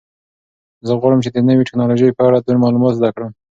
زه غواړم چې د نوې تکنالوژۍ په اړه نور معلومات زده کړم.